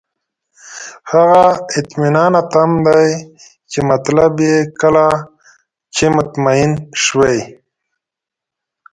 هغه اطماننتم دی چې مطلب یې کله چې مطمئن شوئ.